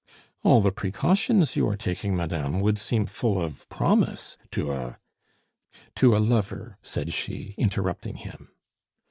"All the precautions you are taking, madame, would seem full of promise to a " "To a lover," said she, interrupting him.